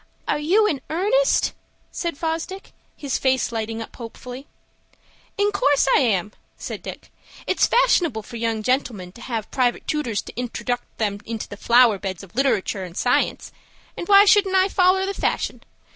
"Are you in earnest?" said Fosdick, his face lighting up hopefully. "In course I am," said Dick. "It's fashionable for young gentlemen to have private tootors to introduct 'em into the flower beds of literatoor and science, and why shouldn't I foller the fashion?